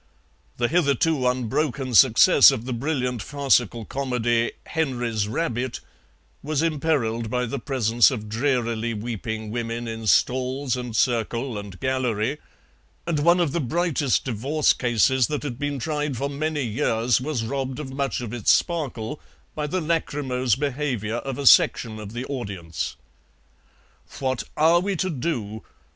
The hitherto unbroken success of the brilliant farcical comedy "Henry's Rabbit" was imperilled by the presence of drearily weeping women in stalls and circle and gallery, and one of the brightest divorce cases that had been tried for many years was robbed of much of its sparkle by the lachrymose behaviour of a section of the audience. "What are we to do?"